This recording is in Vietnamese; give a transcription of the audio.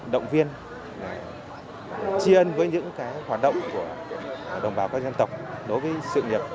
động viên chia ơn với những cái hoạt động của đồng bào các dân tộc đối với sự nghiệp